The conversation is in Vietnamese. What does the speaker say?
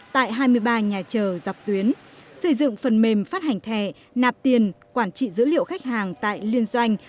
tại hai mươi ba nhà chờ dọc tuyến xây dựng phần mềm phát hành thẻ nạp tiền quản trị dữ liệu khách hàng tại liên doanh